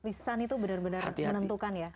lisan itu benar benar menentukan ya